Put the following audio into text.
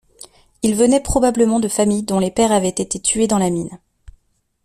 Ils venaient probablement de familles dont les pères avaient été tués dans la mine.